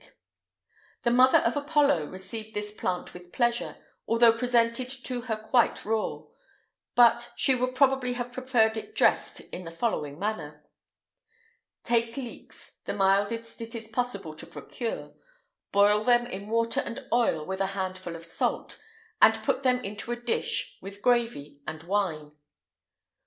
[IX 152] The mother of Apollo received this plant with pleasure, although presented to her quite raw; but she would probably have preferred it dressed in the following manner: Take leeks, the mildest it is possible to procure; boil them in water and oil, with a handful of salt, and put them into a dish, with gravy, oil, and wine.